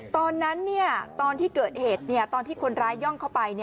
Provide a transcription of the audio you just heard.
ตอนนั้นตอนที่คนร้ายย่องเข้าไป